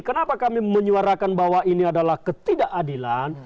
kenapa kami menyuarakan bahwa ini adalah ketidakadilan